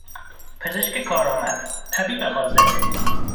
پزشک کارامد، طبیب حاذق